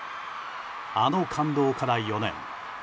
あの感動から４年。